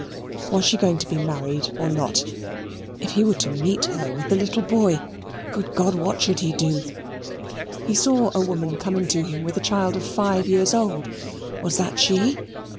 Was she going to be married or not? If he were to meet her with the little boy Good God, what should he do? He saw a woman coming to him with a child of five years old was that she?